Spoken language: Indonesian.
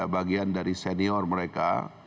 bagian dari senior mereka